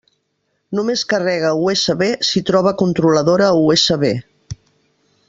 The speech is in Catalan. Només carrega USB si troba controladora USB.